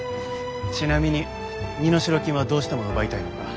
ちなみに身代金はどうしても奪いたいのか？